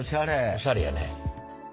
おしゃれやね。